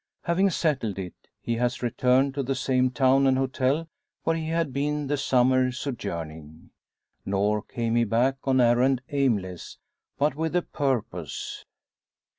Having settled it, he has returned to the same town and hotel where he had been the summer sojourning. Nor came he back on errand aimless, but with a purpose.